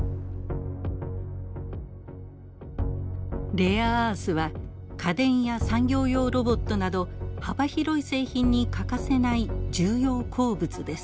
レアアースは家電や産業用ロボットなど幅広い製品に欠かせない重要鉱物です。